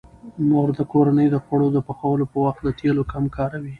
مور د کورنۍ د خوړو د پخولو په وخت د تیلو کم کاروي.